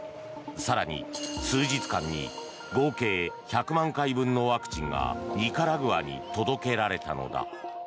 更に、数日間に合計１００万回分のワクチンがニカラグアに届けられたのだ。